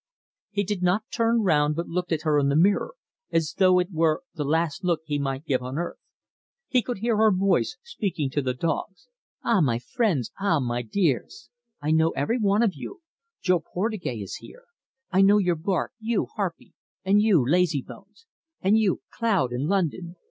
He did not turn round but looked at her in the mirror, as though it were the last look he might give on earth. He could hear her voice speaking to the dogs: "Ah, my friends, ah, my dears! I know you every one. Jo Portugais is here. I know your bark, you, Harpy, and you, Lazybones, and you, Cloud and London!